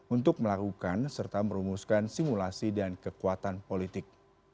untuk melakukan serta merumuskan simulasi dan kekuatan politik